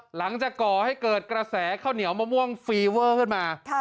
ก่อให้เกิดกระแสข้าวเหนียวมะม่วงฟีเวอร์ขึ้นมา